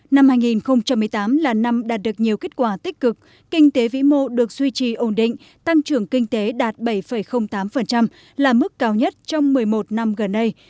năm hai nghìn một mươi tám là năm đạt được nhiều kết quả tích cực kinh tế vĩ mô được duy trì ổn định tăng trưởng kinh tế đạt bảy tám là mức cao nhất trong một mươi một năm gần đây